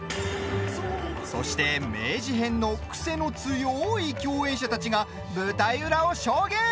そして、明治編の癖の強い共演者たちが舞台裏を証言。